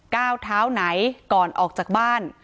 ก้าวเท้าไหนก่อนออกจากบ้าน